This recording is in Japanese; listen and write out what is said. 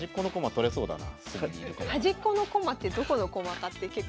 取れそうだな。